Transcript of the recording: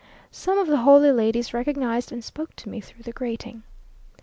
Some of the holy ladies recognised and spoke to me through the grating.